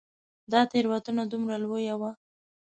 دا تېروتنه دومره لویه وه.